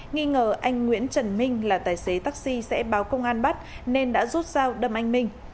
nghi ngờ anh nguyễn trần minh là tài xế taxi sẽ báo công an bắt nên đã rút dao đâm anh minh